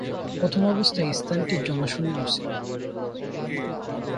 প্রথম অবস্থায় স্থানটি জনশূন্য ছিল।